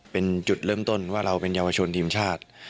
เป็นจุดเริ่มต้นว่าเราเป็นเยาวชนทีมชาติ